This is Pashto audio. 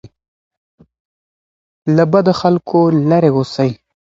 له بدو خلګو لري اوسئ.